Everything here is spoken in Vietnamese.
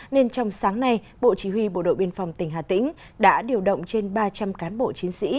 nên trong sáng nay bộ chỉ huy bộ đội biên phòng tỉnh hà tĩnh đã điều động trên ba trăm linh cán bộ chiến sĩ